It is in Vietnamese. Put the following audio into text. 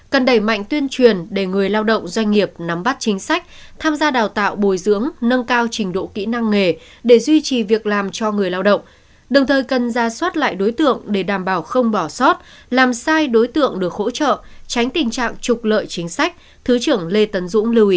cần đẩy mạnh tuyên truyền để người lao động doanh nghiệp nắm bắt chính sách tham gia đào tạo bồi dưỡng nâng cao trình độ kỹ năng nghề để duy trì việc làm cho người lao động đồng thời cần ra soát lại đối tượng để đảm bảo không bỏ sót làm sai đối tượng được hỗ trợ tránh tình trạng trục lợi chính sách thứ trưởng lê tấn dũng lưu ý